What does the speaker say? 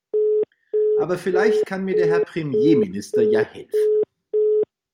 Aber vielleicht kann mir der Herr Premierminister ja helfen.